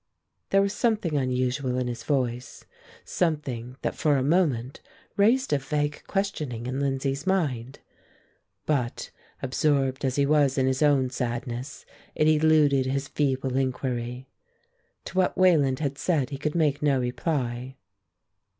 There was something unusual in his voice, something that for a moment raised a vague questioning in Lindsay's mind; but absorbed as he was in his own sadness, it eluded his feeble inquiry. To what Wayland had said he could make no reply.